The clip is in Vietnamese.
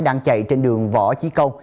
đang chạy trên đường võ chí công